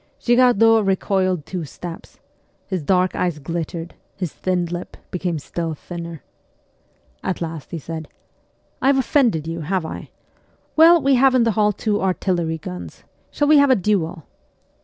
Girardot recoiled two steps ; his dark eyes glittered, his thin lip became still thinner. At last he said, ' I have offendedjyou, have I? Well, we have in the hall two artillery guns : shall we have a duel